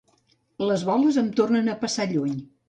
Les boles em tornen a passar lluny.